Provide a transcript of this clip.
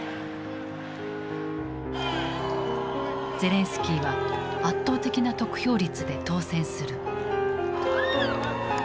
ゼレンスキーは圧倒的な得票率で当選する。